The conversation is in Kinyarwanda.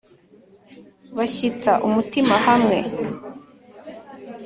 bashyitsa umutima hamwe